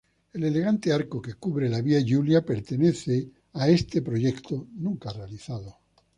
El elegante arco que cubre la Via Giulia pertenece a este proyecto, nunca realizado.